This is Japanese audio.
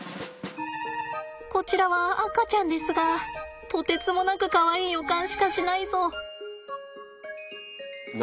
こちらは赤ちゃんですがとてつもなくかわいい予感しかしないぞ。